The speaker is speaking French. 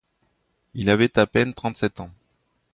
Il avait à peine trente-sept ans.